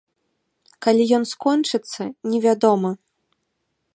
Калі ён скончыцца, невядома.